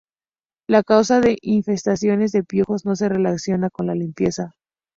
La causa de infestaciones de piojos no se relaciona con la limpieza.